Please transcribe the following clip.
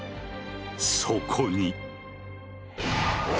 そこに。